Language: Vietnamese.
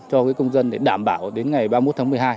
cho công dân để đảm bảo đến ngày ba mươi một tháng một mươi hai